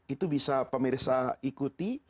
itu bisa pemirsa ikuti